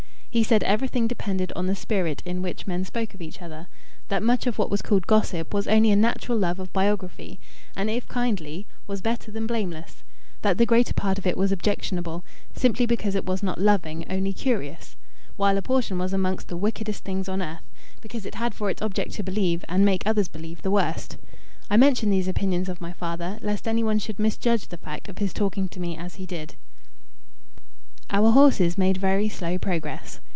He said everything depended on the spirit in which men spoke of each other; that much of what was called gossip was only a natural love of biography, and, if kindly, was better than blameless; that the greater part of it was objectionable, simply because it was not loving, only curious; while a portion was amongst the wickedest things on earth, because it had for its object to believe and make others believe the worst. I mention these opinions of my father, lest anyone should misjudge the fact of his talking to me as he did. Our horses made very slow progress.